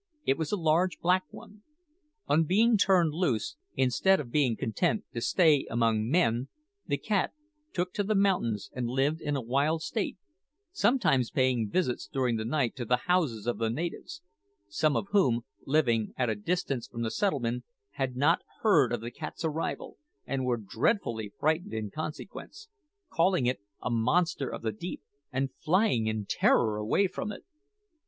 It was a large black one. On being turned loose, instead of being content to stay among men, the cat took to the mountains and lived in a wild state, sometimes paying visits during the night to the houses of the natives; some of whom, living at a distance from the settlement, had not heard of the cat's arrival, and were dreadfully frightened in consequence, calling it a `monster of the deep,' and flying in terror away from it.